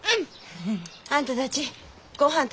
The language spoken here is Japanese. うん。あんたたちごはん